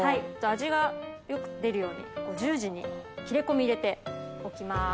味がよく出るように十字に切れ込み入れておきます。